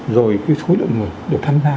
rồi cái khối lượng người được tham gia